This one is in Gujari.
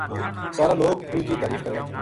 سارا لوک اُ ن کی تعریف کرے